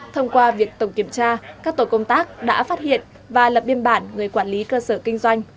thông qua việc tổng kiểm tra các tổ công tác đã phát hiện và lập biên bản người quản lý cơ sở kinh doanh